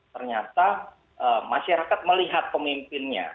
ternyata masyarakat melihat pemimpinnya